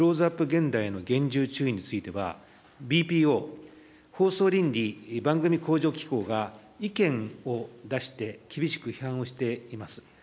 現代への厳重注意については、ＢＰＯ放送倫理・番組向上機構が意見を出して、厳しく批判をしています。